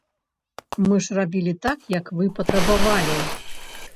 Мы ж рабілі так, як вы патрабавалі!